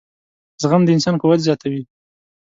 • زغم د انسان قوت زیاتوي.